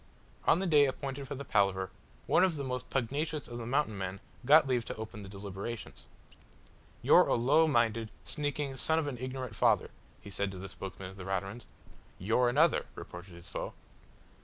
On the day appointed for the palaver, one of the most pugnacious of the Mountain men got leave to open the deliberations. "You're a low minded, sneaking son of an ignorant father," he said to the spokesman of the Raturans. "You're another," retorted his foe.